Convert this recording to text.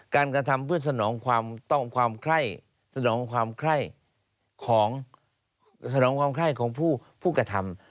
การกระทำเพื่อสนองความใคร่ของผู้กระทำ